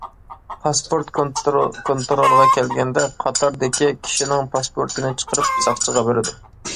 پاسپورت كونترولىغا كەلگەندە قاتاردىكى كىشىنىڭ پاسپورتىنى چىقىرىپ، ساقچىغا بېرىدۇ.